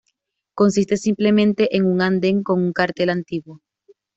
Consiste simplemente en un anden con un cartel antiguo.